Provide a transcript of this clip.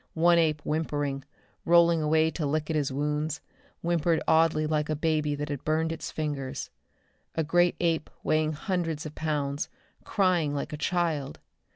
One ape whimpering, rolling away to lick at his wounds; whimpering oddly like a baby that has burned its fingers. A great ape weighing hundreds of pounds, crying like a child!